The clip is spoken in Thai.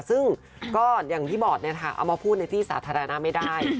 ซึ่งก็อย่างที่บอร์ดเนี่ยค่ะเอามาพูดในที่สาธารณะไม่ได้